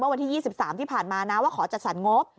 วันที่๒๓ที่ผ่านมานะว่าขอจัดสรรงบ